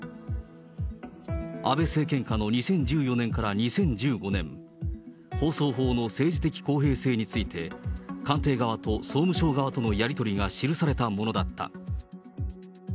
安倍政権下の２０１４年から２０１５年、放送法の政治的公平性について、官邸側と総務省側とのやり取りが記されたものだった。